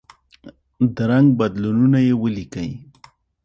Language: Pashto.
د رنګ بدلونونه یې ولیکئ.